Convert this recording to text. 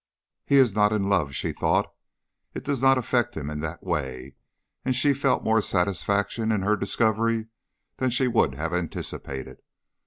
"He is not in love," she thought. "It does not affect him in that way." And she felt more satisfaction in her discovery than she would have anticipated.